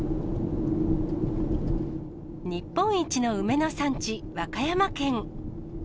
日本一の梅の産地、和歌山県。